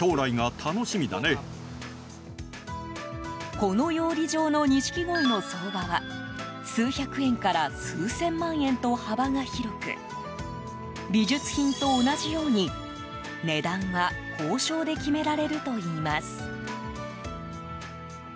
この養鯉場の錦鯉の相場は数百円から数千万円と幅が広く美術品と同じように値段は交渉で決められるといいます。